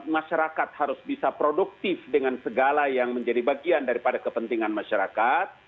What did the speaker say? masyarakat harus bisa produktif dengan segala yang menjadi bagian daripada kepentingan masyarakat